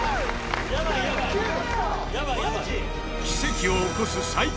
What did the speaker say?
奇跡を起こす最